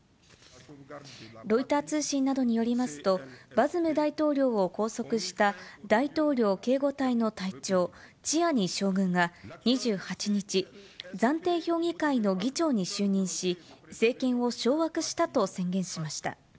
ロイター通信などによりますと、バズム大統領を拘束した大統領警護隊の隊長、チアニ将軍が２８日、暫定評議会の議長に就任し、政権を掌握したと宣言しました。